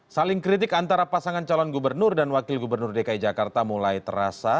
saling kritik antara pasangan calon gubernur dan wakil gubernur dki jakarta mulai terasa